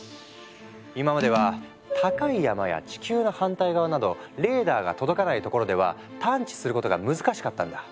今までは高い山や地球の反対側などレーダーが届かない所では探知することが難しかったんだ。